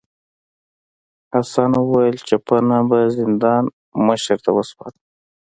حسن وویل چپنه به زندان مشر ته وسپارم.